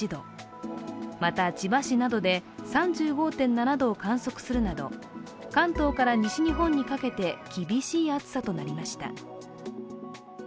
また、千葉市などで３５．７度を観測するなど関東から西日本にかけて厳しい暑さとなりました。